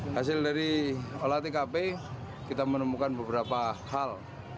hasil dari olah tkp kita menemukan beberapa hal